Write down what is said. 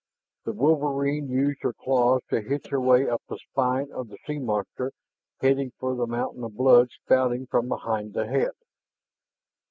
The wolverine used her claws to hitch her way up the spine of the sea monster, heading for the mountain of blood spouting from behind the head.